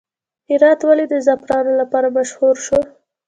هرات ولې د زعفرانو لپاره مشهور شو؟